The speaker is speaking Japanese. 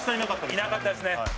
田中：いなかったですね。